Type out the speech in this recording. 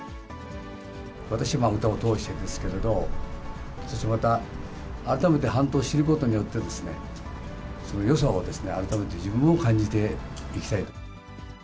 私は歌を通してですけれども、そしてまた、改めて半島を知ることによって、そのよさを、改めて自分も感じていきたいと。